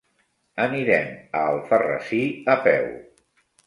Anirem a Alfarrasí a peu.